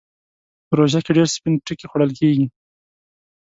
په روژه کې ډېر سپين ټکی خوړل کېږي.